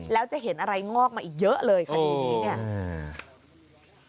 แล้วจะเห็นอะไรงอกมาอีกเยอะเลยคดีนี้เนี่ย